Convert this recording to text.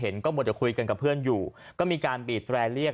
เห็นก็มอเตอร์คุยกันกับเพื่อนอยู่มีการปี๊บแบรนด์เรียก